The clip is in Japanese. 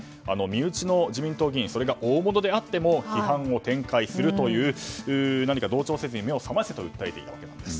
身内の自民党議員それが大物であっても批判を展開するという同調せずに目を覚ませと訴えていたんです。